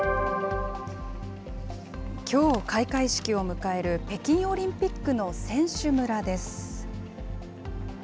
きょう、開会式を迎える北京オリンピックの選手村です。